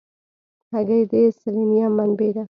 هګۍ د سلینیم منبع ده.